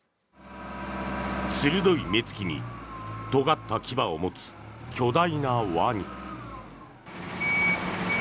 鋭い目付きにとがった牙を持つ巨大なワニ。